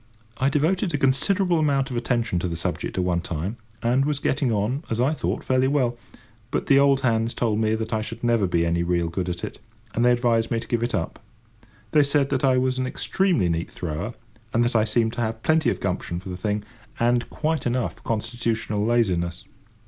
I devoted a considerable amount of attention to the subject at one time, and was getting on, as I thought, fairly well; but the old hands told me that I should never be any real good at it, and advised me to give it up. They said that I was an extremely neat thrower, and that I seemed to have plenty of gumption for the thing, and quite enough constitutional laziness.